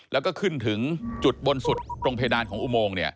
แล้วก็ขึ้นถึงจุดบนสุดตรงเพดานของอุโมง